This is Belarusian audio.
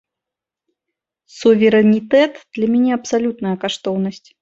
Суверэнітэт для мяне абсалютная каштоўнасць.